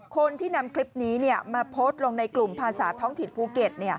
คนที่นำคลิปนี้มาโพสต์ลงในกลุ่มภาษาท้องถิ่นภูเก็ต